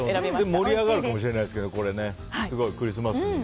盛り上がるかもしれないですけどクリスマスに。